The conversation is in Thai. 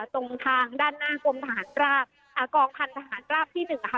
ตรงทางด้านหน้ากลมทหารกราฟอ่ากองทหารกราฟที่หนึ่งอะค่ะ